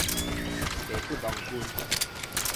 白骨郎君